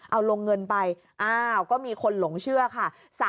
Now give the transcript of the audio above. เอาลงเงินไปอ้าวก็มีคนหลงเชื่อค่ะ